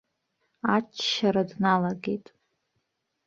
Аччара дналагеит.